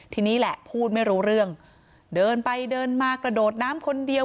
ทีนี้แหละพูดไม่รู้เรื่องเดินไปเดินมากระโดดน้ำคนเดียว